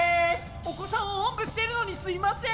お子さんをオンブしているのにすいません。